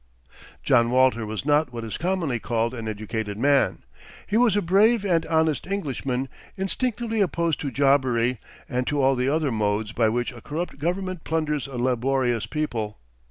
'" John Walter was not what is commonly called an educated man. He was a brave and honest Englishman, instinctively opposed to jobbery, and to all the other modes by which a corrupt government plunders a laborious people.